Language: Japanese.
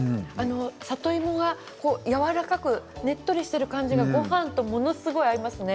里芋がやわらかくねっとりしている感じがごはんとものすごく合いますね。